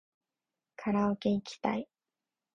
カラオケいきたい